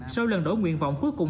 sau lần đổi nguyện vọng cuối cùng